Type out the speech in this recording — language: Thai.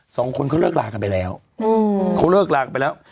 สองคนเค้าเลิกลากันไปแล้ว